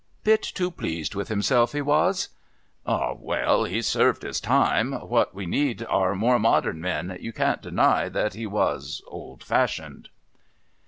"Bit too pleased with himself, he was." "Ah, well, he's served his time; what we need are more modern men. You can't deny that he was old fashioned."